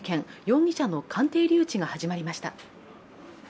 容疑者の鑑定留置が始まりました。